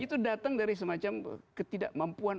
itu datang dari semacam ketidakmampuan